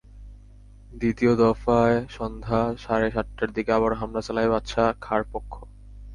দ্বিতীয় দফায় সন্ধ্যা সাড়ে সাতটার দিকে আবারও হামলা চালায় বাদশা খাঁর পক্ষ।